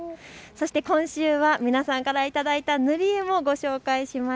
今週は皆さんから頂いた塗り絵もご紹介します。